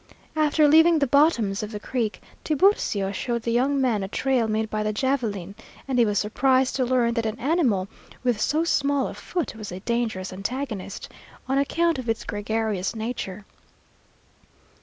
After leaving the bottoms of the creek, Tiburcio showed the young man a trail made by the javeline, and he was surprised to learn that an animal with so small a foot was a dangerous antagonist, on account of its gregarious nature.